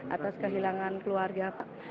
atas kehilangan keluarga